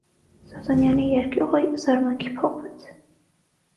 Զազունյանի երկյուղը զարմանքի փոխվեց: